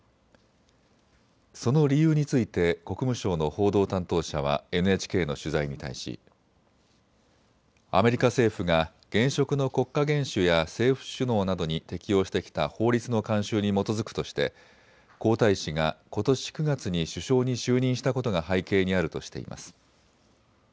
その理由について国務省の報道担当者はＮＨＫの取材に対しアメリカ政府が現職の国家元首や政府首脳などに適用してきた法律の慣習に基づくとして皇太子がことし９月に首相に就任したことが背景にあるとしています。